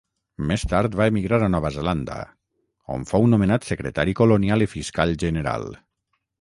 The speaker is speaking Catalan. Més tard va emigrar a Nova Zelanda on fou nomenat secretari colonial i fiscal general.